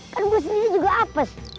kan gue sendiri juga apes